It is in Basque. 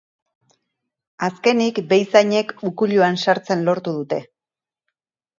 Azkenik, behizainek ukuiluan sartzen lortu dute.